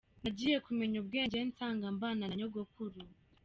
Nagiye kumenya ubwenge, nsanga mbana na nyogokuru .